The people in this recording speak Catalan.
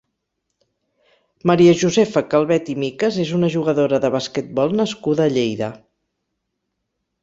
Maria Josefa Calvet i Micas és una jugadora de basquetbol nascuda a Lleida.